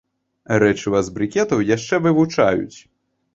Рэчыва з брыкетаў яшчэ вывучаюць.